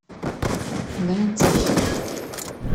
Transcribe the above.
Brant-ak.